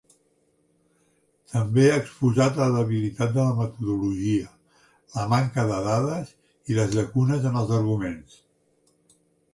També ha exposat la debilitat de la metodologia, la manca de dades i les llacunes en els arguments.